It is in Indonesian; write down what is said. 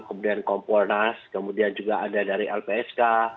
kemudian kompolnas kemudian juga ada dari lpsk